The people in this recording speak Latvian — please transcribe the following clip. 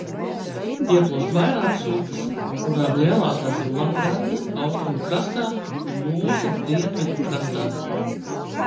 Ieplūst vairākas upes, no kurām lielākās ir Lagranda austrumu krastā un Mūsa dienvidu krastā.